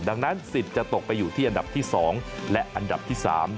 ดังนั้นสิทธิ์จะตกไปอยู่ที่อันดับที่๒และอันดับที่๓